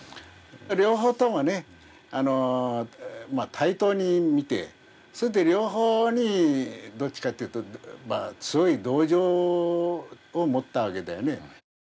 両方とも対等に見て、それで両方にどっちかというと、強い同情を持ったわけだよね。